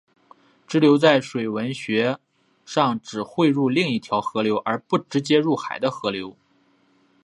支流在水文学上指汇入另一条河流而不直接入海的河流。